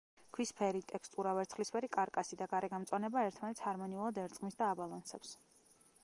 ქვის ფერი, ტექსტურა, ვერცხლისფერი კარკასი და გარე გამწვანება ერთმანეთს ჰარმონიულად ერწყმის და აბალანსებს.